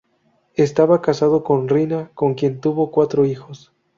Estaba casado con Rina, con quien tuvo cuatro hijos.